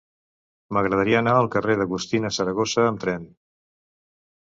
M'agradaria anar al carrer d'Agustina Saragossa amb tren.